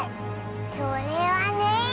それはね。